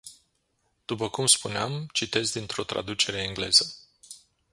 După cum spuneam, citez dintr-o traducere engleză.